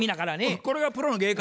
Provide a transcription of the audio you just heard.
「これがプロの芸か」